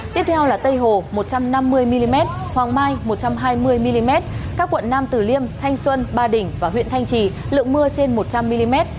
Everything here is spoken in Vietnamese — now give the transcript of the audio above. tiếp theo là tây hồ một trăm năm mươi mm hoàng mai một trăm hai mươi mm các quận nam tử liêm thanh xuân ba đỉnh và huyện thanh trì lượng mưa trên một trăm linh mm